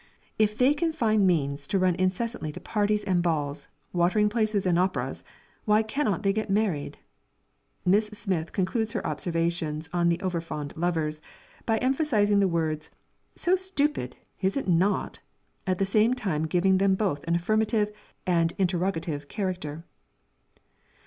If they can find means to run incessantly to parties and balls, watering places and operas, why cannot they get married?" Miss Smith concludes her observations on the over fond lovers, by emphasising the words "so stupid, is it not?" at the same time giving them both an affirmative and interrogative character.